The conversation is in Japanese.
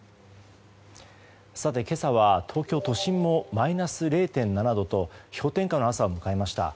さて、今朝は東京都心もマイナス０．７度と氷点下の朝を迎えました。